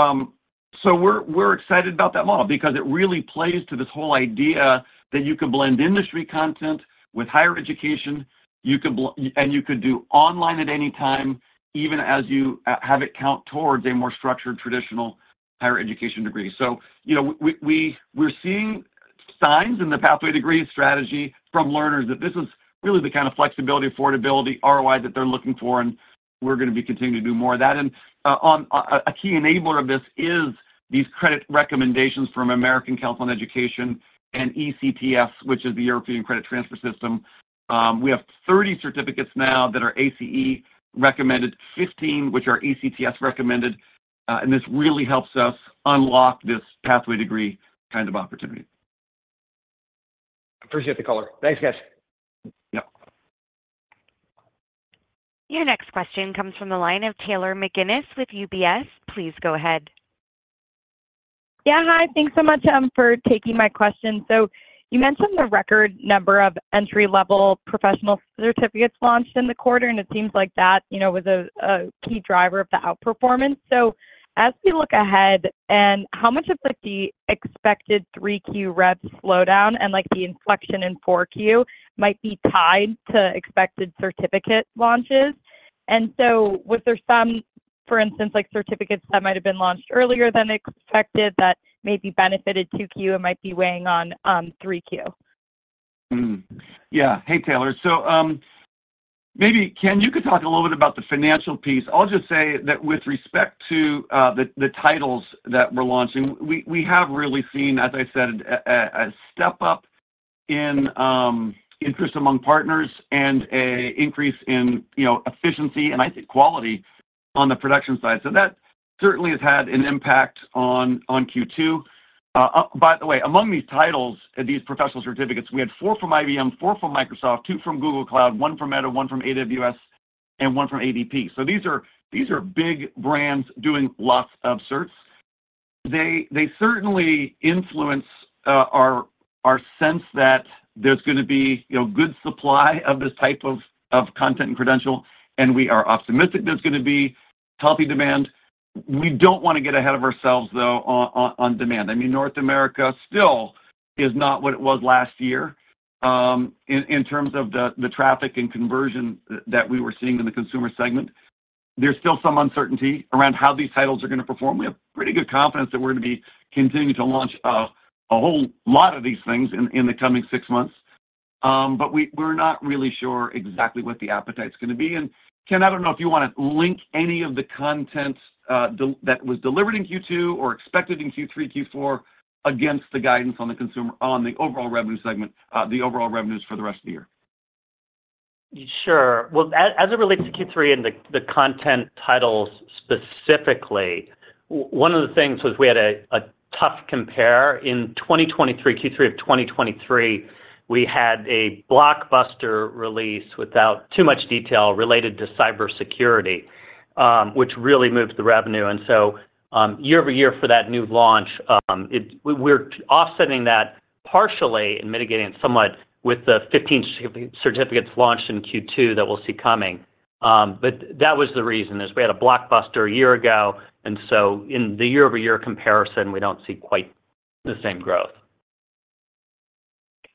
Speaker 3: we're excited about that model because it really plays to this whole idea that you could blend industry content with higher education, and you could do online at any time, even as you have it count towards a more structured traditional higher education degree. So we're seeing signs in the pathway degree strategy from learners that this is really the kind of flexibility, affordability, ROI that they're looking for, and we're going to be continuing to do more of that. And a key enabler of this is these credit recommendations from American Council on Education and ECTS, which is the European Credit Transfer System. We have 30 certificates now that are ACE-recommended, 15 which are ECTS-recommended, and this really helps us unlock this pathway degree kind of opportunity.
Speaker 8: Appreciate the color. Thanks, guys.
Speaker 3: Yep.
Speaker 1: Your next question comes from the line of Taylor McGinnis with UBS. Please go ahead.
Speaker 9: Yeah, hi. Thanks so much for taking my question. So you mentioned the record number of entry-level professional certificates launched in the quarter, and it seems like that was a key driver of the outperformance. So as we look ahead, how much of the expected 3Q rev slowdown and the inflection in 4Q might be tied to expected certificate launches? And so was there some, for instance, certificates that might have been launched earlier than expected that maybe benefited 2Q and might be weighing on 3Q?
Speaker 3: Yeah. Hey, Taylor. So maybe, Ken, you could talk a little bit about the financial piece. I'll just say that with respect to the titles that we're launching, we have really seen, as I said, a step up in interest among partners and an increase in efficiency and, I think, quality on the production side. So that certainly has had an impact on Q2. By the way, among these titles, these professional certificates, we had 4 from IBM, 4 from Microsoft, 2 from Google Cloud, 1 from Meta, 1 from AWS, and 1 from ADP. So these are big brands doing lots of certs. They certainly influence our sense that there's going to be good supply of this type of content and credential, and we are optimistic there's going to be healthy demand. We don't want to get ahead of ourselves, though, on demand. I mean, North America still is not what it was last year in terms of the traffic and conversion that we were seeing in the consumer segment. There's still some uncertainty around how these titles are going to perform. We have pretty good confidence that we're going to be continuing to launch a whole lot of these things in the coming six months, but we're not really sure exactly what the appetite's going to be. And, Ken, I don't know if you want to link any of the content that was delivered in Q2 or expected in Q3, Q4 against the guidance on the overall revenue segment, the overall revenues for the rest of the year.
Speaker 4: Sure. Well, as it relates to Q3 and the content titles specifically, one of the things was we had a tough compare. In 2023, Q3 of 2023, we had a blockbuster release without too much detail related to cybersecurity, which really moved the revenue. And so year-over-year for that new launch, we're offsetting that partially and mitigating it somewhat with the 15 certificates launched in Q2 that we'll see coming. But that was the reason is we had a blockbuster a year ago, and so in the year-over-year comparison, we don't see quite the same growth.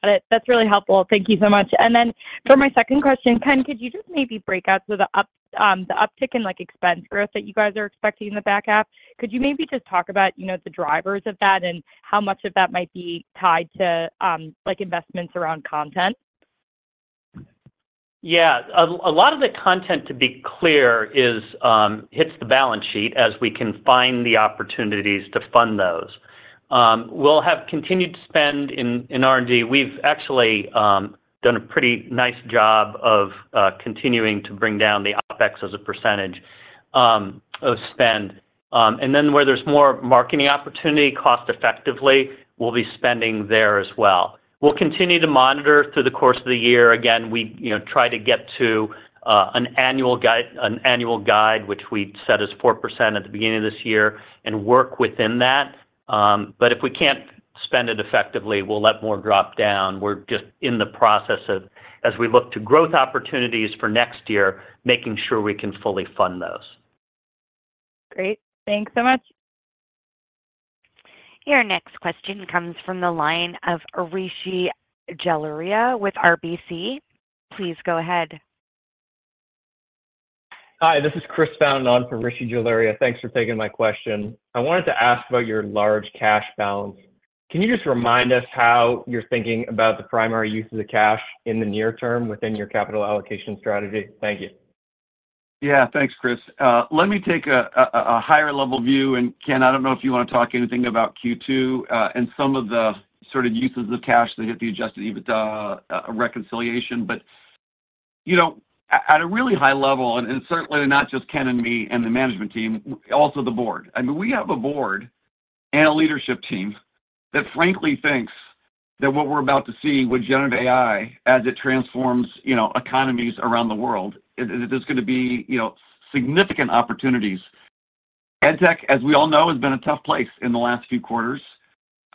Speaker 9: Got it. That's really helpful. Thank you so much. And then for my second question, Ken, could you just maybe break out the uptick in expense growth that you guys are expecting in the back half? Could you maybe just talk about the drivers of that and how much of that might be tied to investments around content?
Speaker 4: Yeah. A lot of the content, to be clear, hits the balance sheet as we can find the opportunities to fund those. We'll have continued spend in R&D. We've actually done a pretty nice job of continuing to bring down the OpEx as a percentage of spend. And then where there's more marketing opportunity, cost-effectively, we'll be spending there as well. We'll continue to monitor through the course of the year. Again, we try to get to an annual guide, which we set as 4% at the beginning of this year, and work within that. But if we can't spend it effectively, we'll let more drop down. We're just in the process of, as we look to growth opportunities for next year, making sure we can fully fund those.
Speaker 9: Great. Thanks so much.
Speaker 1: Your next question comes from the line of Rishi Jaluria with RBC. Please go ahead.
Speaker 10: Hi. This is Chris Brown on for Rishi Jaluria. Thanks for taking my question. I wanted to ask about your large cash balance. Can you just remind us how you're thinking about the primary use of the cash in the near term within your capital allocation strategy? Thank you.
Speaker 3: Yeah. Thanks, Chris. Let me take a higher-level view. And, Ken, I don't know if you want to talk anything about Q2 and some of the sort of uses of cash that hit the Adjusted EBITDA reconciliation, but at a really high level, and certainly not just Ken and me and the management team, also the board. I mean, we have a board and a leadership team that, frankly, thinks that what we're about to see with Generative AI as it transforms economies around the world, there's going to be significant opportunities. EdTech, as we all know, has been a tough place in the last few quarters.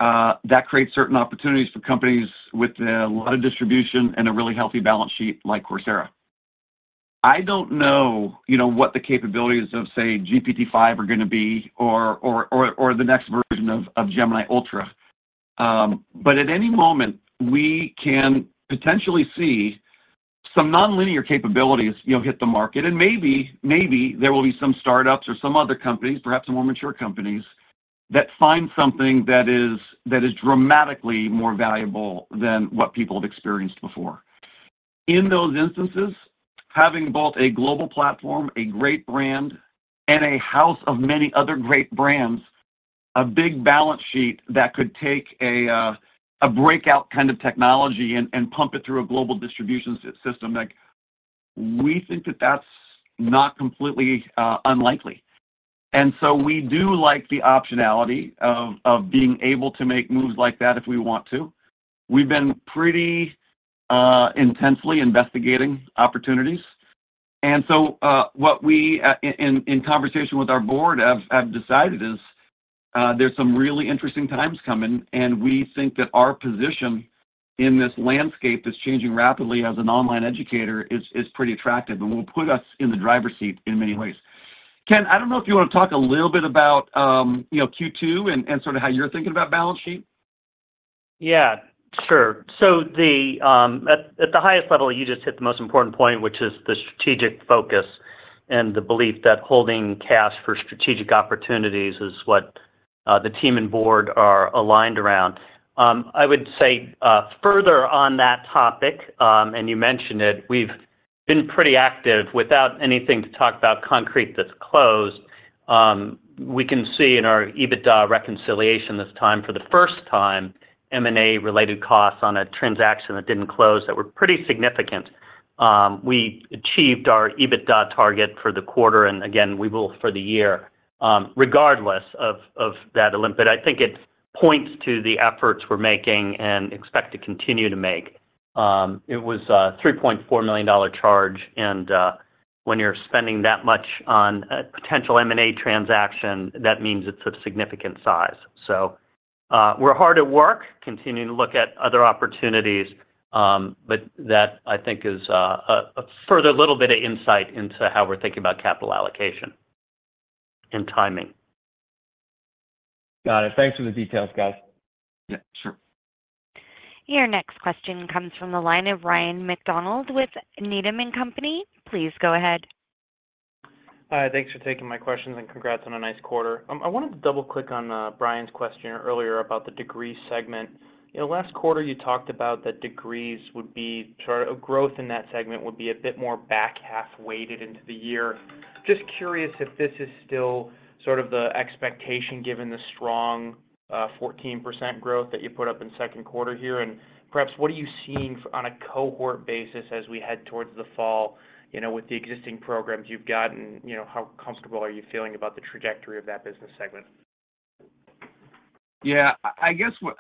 Speaker 3: That creates certain opportunities for companies with a lot of distribution and a really healthy balance sheet like Coursera. I don't know what the capabilities of, say, GPT-5 are going to be or the next version of Gemini Ultra, but at any moment, we can potentially see some non-linear capabilities hit the market. Maybe there will be some startups or some other companies, perhaps more mature companies, that find something that is dramatically more valuable than what people have experienced before. In those instances, having both a global platform, a great brand, and a house of many other great brands, a big balance sheet that could take a breakout kind of technology and pump it through a global distribution system, we think that that's not completely unlikely. So we do like the optionality of being able to make moves like that if we want to. We've been pretty intensely investigating opportunities. And so what we, in conversation with our board, have decided is there's some really interesting times coming, and we think that our position in this landscape that's changing rapidly as an online educator is pretty attractive and will put us in the driver's seat in many ways. Ken, I don't know if you want to talk a little bit about Q2 and sort of how you're thinking about balance sheet?
Speaker 4: Yeah. Sure. So at the highest level, you just hit the most important point, which is the strategic focus and the belief that holding cash for strategic opportunities is what the team and board are aligned around. I would say further on that topic, and you mentioned it, we've been pretty active without anything to talk about concrete that's closed. We can see in our EBITDA reconciliation this time, for the first time, M&A-related costs on a transaction that didn't close that were pretty significant. We achieved our EBITDA target for the quarter, and again, we will for the year, regardless of that anomaly. I think it points to the efforts we're making and expect to continue to make. It was a $3.4 million charge, and when you're spending that much on a potential M&A transaction, that means it's of significant size. We're hard at work, continuing to look at other opportunities, but that, I think, is a further little bit of insight into how we're thinking about capital allocation and timing.
Speaker 10: Got it. Thanks for the details, guys.
Speaker 3: Yeah. Sure.
Speaker 1: Your next question comes from the line of Ryan MacDonald with Needham & Company. Please go ahead.
Speaker 11: Hi. Thanks for taking my questions and congrats on a nice quarter. I wanted to double-click on Brian's question earlier about the degree segment. Last quarter, you talked about that degrees would be sort of a growth in that segment would be a bit more back half weighted into the year. Just curious if this is still sort of the expectation given the strong 14% growth that you put up in second quarter here. And perhaps, what are you seeing on a cohort basis as we head towards the fall with the existing programs you've gotten? How comfortable are you feeling about the trajectory of that business segment?
Speaker 3: Yeah. I guess what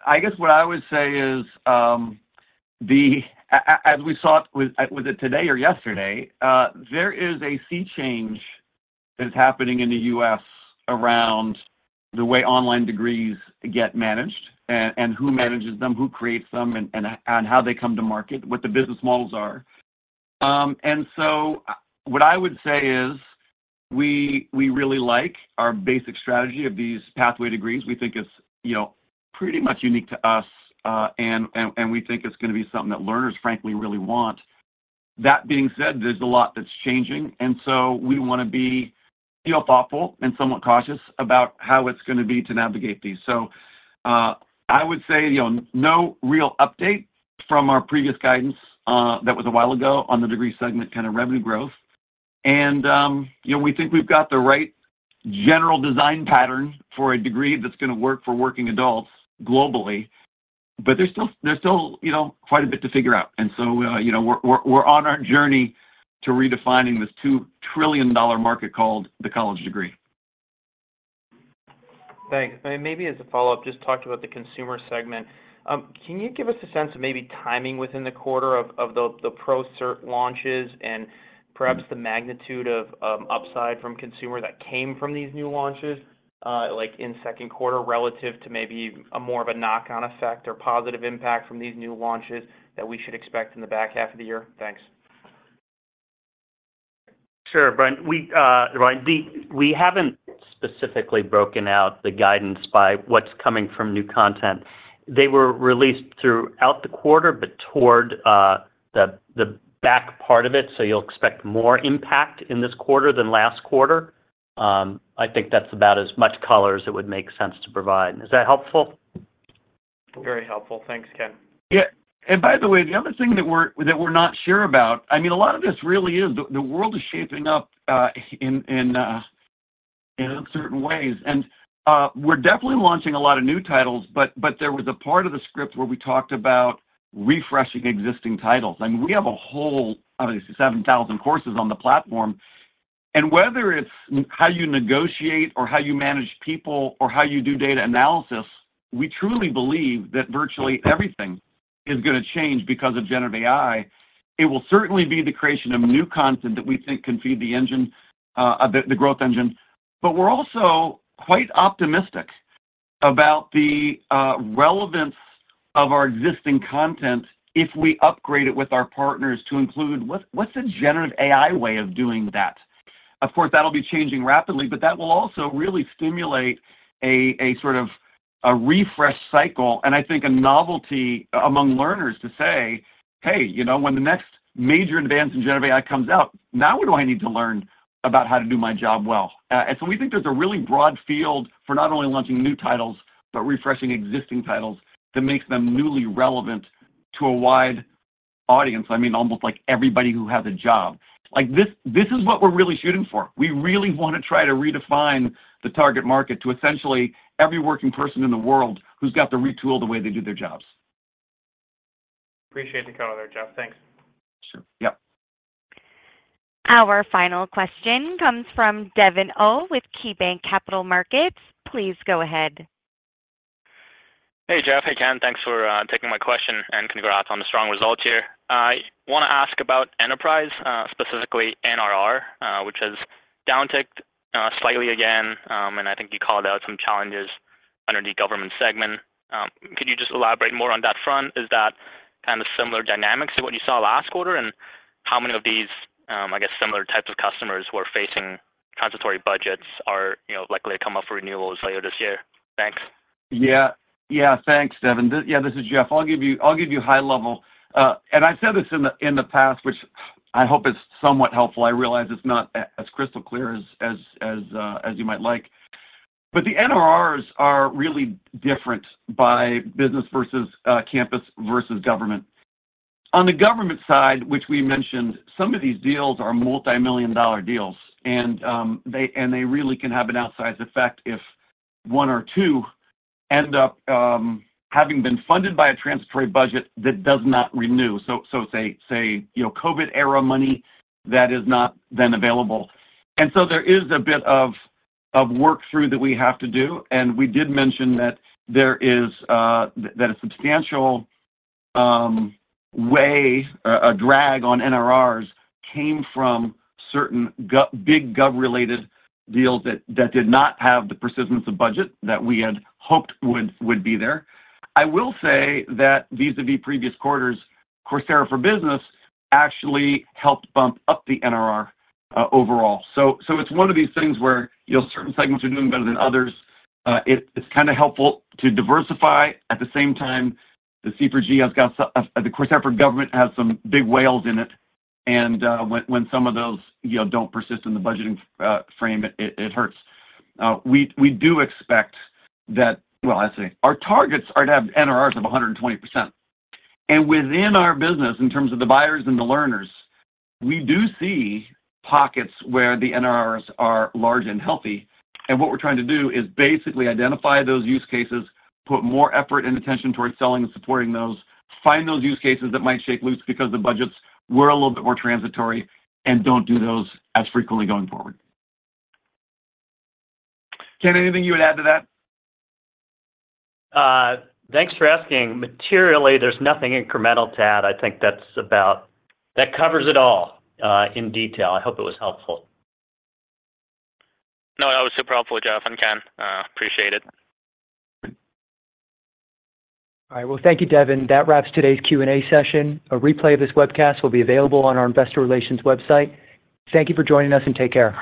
Speaker 3: I would say is, as we saw with it today or yesterday, there is a sea change that's happening in the U.S. around the way online degrees get managed and who manages them, who creates them, and how they come to market, what the business models are. And so what I would say is we really like our basic strategy of these pathway degrees. We think it's pretty much unique to us, and we think it's going to be something that learners, frankly, really want. That being said, there's a lot that's changing, and so we want to be thoughtful and somewhat cautious about how it's going to be to navigate these. So I would say no real update from our previous guidance that was a while ago on the degree segment kind of revenue growth. We think we've got the right general design pattern for a degree that's going to work for working adults globally, but there's still quite a bit to figure out. And so we're on our journey to redefining this $2 trillion market called the college degree.
Speaker 11: Thanks. Maybe as a follow-up, just talked about the consumer segment. Can you give us a sense of maybe timing within the quarter of the ProCert launches and perhaps the magnitude of upside from consumer that came from these new launches in second quarter relative to maybe more of a knock-on effect or positive impact from these new launches that we should expect in the back half of the year? Thanks.
Speaker 4: Sure. Right. We haven't specifically broken out the guidance by what's coming from new content. They were released throughout the quarter, but toward the back part of it. So you'll expect more impact in this quarter than last quarter. I think that's about as much color as it would make sense to provide. Is that helpful?
Speaker 11: Very helpful. Thanks, Ken.
Speaker 3: Yeah. And by the way, the other thing that we're not sure about, I mean, a lot of this really is the world is shaping up in certain ways. And we're definitely launching a lot of new titles, but there was a part of the script where we talked about refreshing existing titles. I mean, we have a whole 7,000 courses on the platform. And whether it's how you negotiate or how you manage people or how you do data analysis, we truly believe that virtually everything is going to change because of Generative AI. It will certainly be the creation of new content that we think can feed the engine, the growth engine. But we're also quite optimistic about the relevance of our existing content if we upgrade it with our partners to include what's a Generative AI way of doing that. Of course, that'll be changing rapidly, but that will also really stimulate a sort of refresh cycle and, I think, a novelty among learners to say, "Hey, when the next major advance in generative AI comes out, now what do I need to learn about how to do my job well?" And so we think there's a really broad field for not only launching new titles but refreshing existing titles that makes them newly relevant to a wide audience. I mean, almost like everybody who has a job. This is what we're really shooting for. We really want to try to redefine the target market to essentially every working person in the world who's got to retool the way they do their jobs.
Speaker 11: Appreciate the cohort, Jeff. Thanks.
Speaker 3: Sure. Yep.
Speaker 1: Our final question comes from Devin Au with KeyBanc Capital Markets. Please go ahead.
Speaker 12: Hey, Jeff. Hey, Ken. Thanks for taking my question and congrats on the strong results here. I want to ask about enterprise, specifically NRR, which has downticked slightly again. And I think you called out some challenges under the government segment. Could you just elaborate more on that front? Is that kind of similar dynamics to what you saw last quarter? And how many of these, I guess, similar types of customers who are facing transitory budgets are likely to come up for renewals later this year? Thanks.
Speaker 3: Yeah. Yeah. Thanks, Devin. Yeah, this is Jeff. I'll give you high-level. And I've said this in the past, which I hope is somewhat helpful. I realize it's not as crystal clear as you might like. But the NRRs are really different by business versus campus versus government. On the government side, which we mentioned, some of these deals are multi-million-dollar deals, and they really can have an outsized effect if one or two end up having been funded by a transitory budget that does not renew. So say COVID-era money that is not then available. And so there is a bit of work through that we have to do. And we did mention that a substantial way, a drag on NRRs, came from certain big gov-related deals that did not have the persistence of budget that we had hoped would be there. I will say that vis-à-vis previous quarters, Coursera for Business actually helped bump up the NRR overall. So it's one of these things where certain segments are doing better than others. It's kind of helpful to diversify. At the same time, the C4G has got the Coursera for Government has some big whales in it. And when some of those don't persist in the budgeting frame, it hurts. We do expect that well, I say our targets are to have NRRs of 120%. And within our business, in terms of the buyers and the learners, we do see pockets where the NRRs are large and healthy. What we're trying to do is basically identify those use cases, put more effort and attention towards selling and supporting those, find those use cases that might shake loose because the budgets were a little bit more transitory and don't do those as frequently going forward. Ken, anything you would add to that?
Speaker 4: Thanks for asking. Materially, there's nothing incremental to add. I think that covers it all in detail. I hope it was helpful.
Speaker 12: No, that was super helpful, Jeff and Ken. Appreciate it.
Speaker 2: All right. Well, thank you, Devin. That wraps today's Q&A session. A replay of this webcast will be available on our Investor Relations website. Thank you for joining us and take care.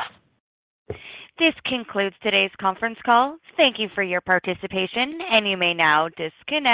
Speaker 1: This concludes today's conference call. Thank you for your participation, and you may now disconnect.